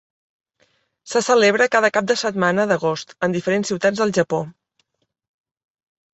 Se celebra cada cap de setmana d'agost en diferents ciutats del Japó.